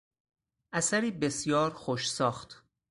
اثری بسیار خوش ساخت